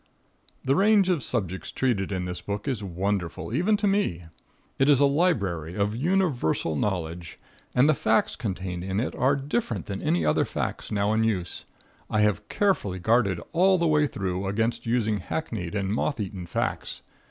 The range of subjects treated in this book is wonderful, even to me. It is a library of universal knowledge, and the facts contained in it are different from any other facts now in use. I have carefully guarded, all the way through, against using hackneyed and moth eaten facts.